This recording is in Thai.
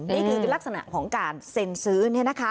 นี่คือลักษณะของการเซ็นซื้อเนี่ยนะคะ